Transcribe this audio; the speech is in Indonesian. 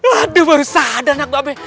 aduh baru saja ada anak babe